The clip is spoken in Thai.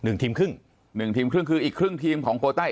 หนึ่งทีมครึ่งหนึ่งฮิมคืออีกครึ่งทีมของโคต้อีกก่อน